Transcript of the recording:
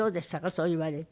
そう言われて。